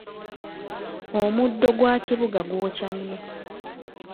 Omuddo gwa kibugga gwokya nnyo.